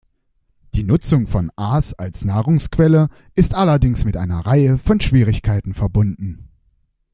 Die Nutzung von Aas als Nahrungsquelle ist allerdings mit einer Reihe von Schwierigkeiten verbunden.